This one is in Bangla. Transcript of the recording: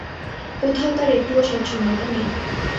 কোথাও তার একটুও স্বচ্ছন্দতা নেই।